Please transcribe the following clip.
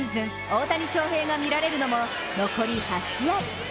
大谷翔平が見られるのも残り８試合。